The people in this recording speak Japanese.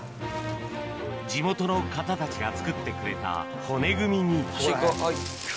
地元の方たちが作ってくれた骨組みに・